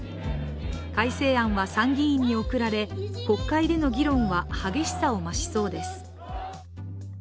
改正案は参議院に送られ、国会での議論は激しさを増しそうです。